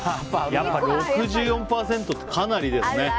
６４％って、かなりですね。